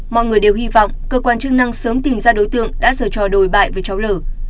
mọi người đều hy vọng cơ quan chức năng sớm tìm ra đối tượng đã dở trò đổi bại với cháu l